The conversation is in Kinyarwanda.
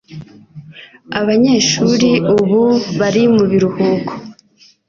Abanyeshuri ubu bari mu biruhuko